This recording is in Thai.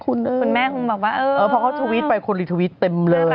คุณแม่คงบอกว่าเออน่ารักเลยพอเขาทวิตไปคนลิทวิตเต็มเลย